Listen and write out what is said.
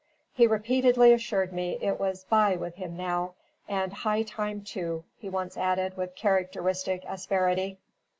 He repeatedly assured me it was 'by' with him now; 'and high time, too,' he once added with characteristic asperity.